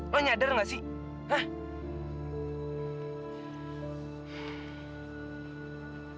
lo nyadar nggak sih hah